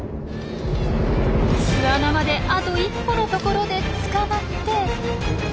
巣穴まであと一歩のところで捕まって。